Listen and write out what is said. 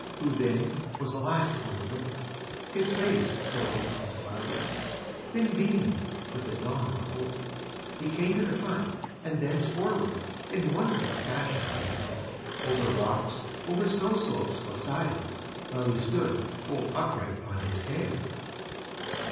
Who then was the last on the rope; His face for a moment was clouded, Then beamed with the dawn of a hope; He came to the front, and thence forward In wonderful fashion he led, Over rocks, over snow slopes glissading, While he stood, bolt upright on his head!